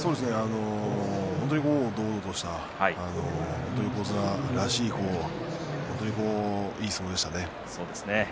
本当に堂々とした横綱らしい本当にいい相撲でしたね。